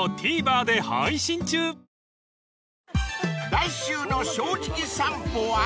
［来週の『正直さんぽ』は］